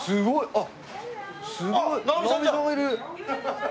あっ！